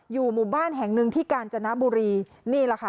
อยู่หมู่บ้านแห่งหนึ่งที่กาญจนบุรีนี่แหละค่ะ